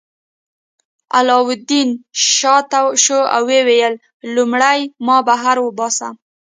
علاوالدین شاته شو او ویې ویل لومړی ما بهر وباسه.